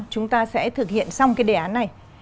chúng ta sẽ thực hiện xong cái đề án này